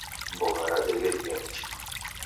Mbogha radeghedekie nicha.